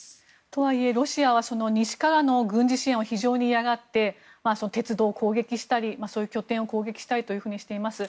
とはいえ、ロシアは西からの軍事支援を非常に嫌がって鉄道を攻撃したり拠点を攻撃したりしています。